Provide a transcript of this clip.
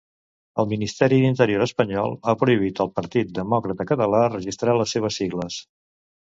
El Ministeri d'Interior espanyol ha prohibit al Partit Demòcrata Català registrar les seves sigles.